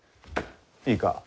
いいか？